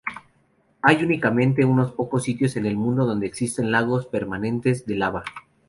Hay únicamente unos pocos sitios en el mundo donde existen lagos permanentes de lava.